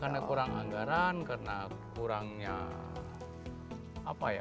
karena kurang anggaran karena kurangnya apa ya